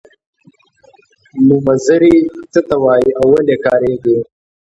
نومځري څه ته وايي او ولې کاریږي.